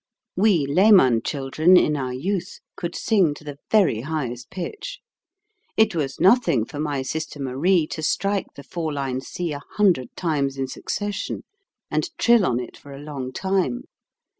We Lehmann children in our youth could sing to the very highest pitch. It was noth ing for my sister Marie to strike the 4 line c a hundred times in succession, and trill on it for a long time.